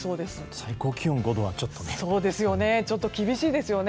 最高気温５度はちょっとね。